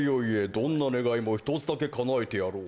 どんな願いも１つだけ叶えてやろう